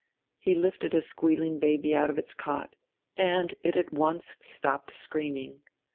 He lifted a squealing baby out of its cot, and it at once stopped screaming.